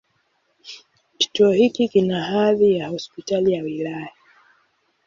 Kituo hiki kina hadhi ya Hospitali ya wilaya.